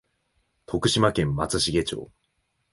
徳島県松茂町